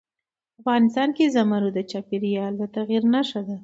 افغانستان کې زمرد د چاپېریال د تغیر نښه ده.